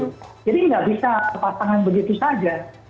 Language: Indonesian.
jadi tidak bisa pasangan begitu saja